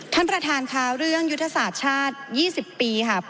ท่านประธานค่ะเรื่องยุทธศาสตร์ชาติ๒๐ปีค่ะ